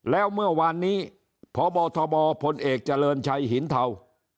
แล้วเมื่อวานนี้พบทบพลเอกเจริญชัยหินเทา